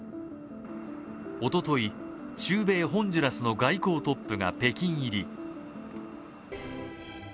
おととい、中米ホンジュラスの外交トップが北京入り。